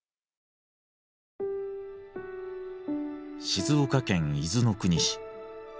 静岡県伊豆の国市。